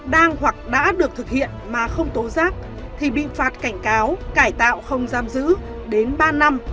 đang hoặc đã được thực hiện mà không tố giác thì bị phạt cảnh cáo cải tạo không giam giữ đến ba năm